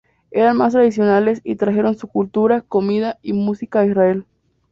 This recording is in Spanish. Eran más tradicionales y trajeron su cultura, comida y música a Israel.